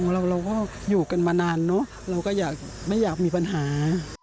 เราก็อยู่กันมานานเนอะเราก็ไม่อยากมีปัญหา